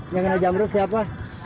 yang kena jamret siapa